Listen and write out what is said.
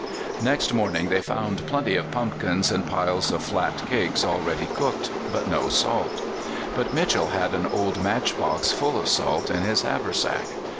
Next morning they found plenty of pumpkins and piles of flat cakes already cooked, but no salt; but Mitchell had an old matchbox full of salt in his haversack.